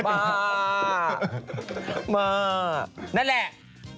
มานั่นแหละ